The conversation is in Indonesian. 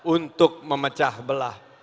untuk memecah belah